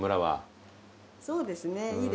そうですね。